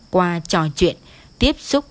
qua trò chuyện tiếp xúc